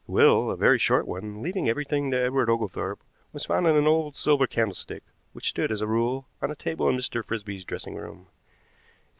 The will, a very short one, leaving everything to Edward Oglethorpe, was found in an old silver candlestick, which stood, as a rule, on a table in Mr. Frisby's dressing room.